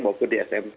maupun di sm